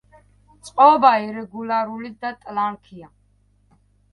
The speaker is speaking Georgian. წყობა ირეგულარული და ტლანქია.